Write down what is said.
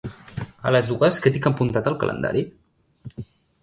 A les dues què tinc apuntat al calendari?